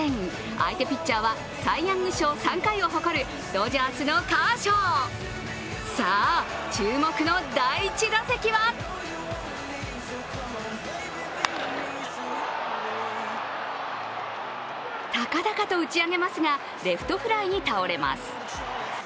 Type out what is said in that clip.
相手ピッチャーはサイ・ヤング賞３回を誇るドジャースのカーショーさあ、注目の第１打席は高々と打ち上げますが、レフトフライに倒れます。